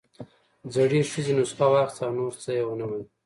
زړې ښځې نسخه واخيسته او نور څه يې ونه ويل.